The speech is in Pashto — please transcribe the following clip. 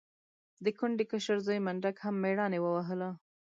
د کونډې کشر زوی منډک هم مېړانې ووهله.